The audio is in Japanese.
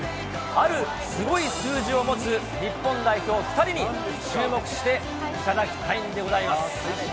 あるすごい数字を持つ日本代表２人に注目していただきたいんでございます。